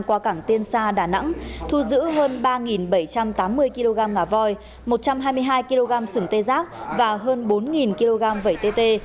qua cảng tiên sa đà nẵng thu giữ hơn ba bảy trăm tám mươi kg ngà voi một trăm hai mươi hai kg sừng tê giác và hơn bốn kg vẩy tt